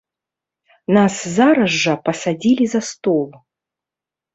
Нас зараз жа пасадзілі за стол.